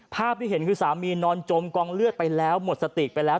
ภาพที่เห็นคือสามีนอนจมกองเลือดไปแล้วหมดสติไปแล้ว